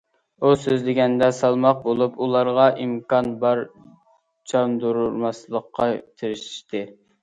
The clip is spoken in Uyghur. ئۇ سۆزلىگەندە سالماق بولۇپ ئۇلارغا ئىمكان بار چاندۇرماسلىققا تىرىشتى.